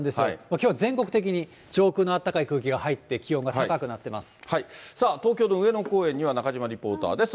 きょうは全国的に上空のあったかい空気が入さあ、東京の上野公園には中島リポーターです。